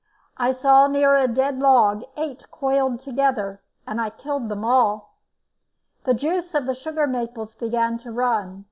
I saw near a dead log eight coiled together, and I killed them all. The juice of the sugar maples began to run.